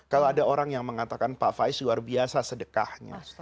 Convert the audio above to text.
kalau ada orang yang mengatakan pak faiz luar biasa sedekahnya